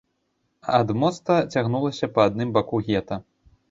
А ад моста цягнулася па адным баку гета.